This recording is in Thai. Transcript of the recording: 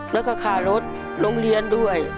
แล้วก็ค่ารถโรงเรียนด้วย